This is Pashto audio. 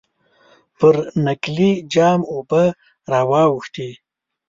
پر نکلي جام اوبه را واوښتې.